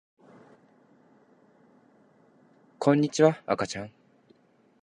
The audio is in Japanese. こんにちは、あかちゃん